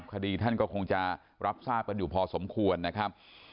คดีท่านก็คงจะรับทราบกันอยู่พอสมควรนะครับ